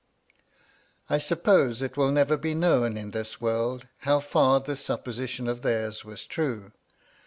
I suppose it will never be known in this world how far this supposition of theirs was true.